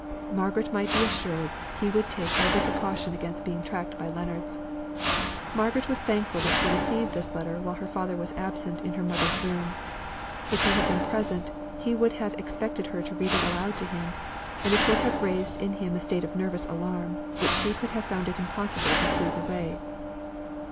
Margaret might be assured he would take every precaution against being tracked by Leonards. Margaret was thankful that she received this letter while her father was absent in her mother's room. If he had been present, he would have expected her to read it aloud to him, and it would have raised in him a state of nervous alarm which she would have found it impossible to soothe away.